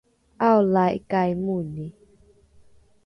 ’aolaikai moni?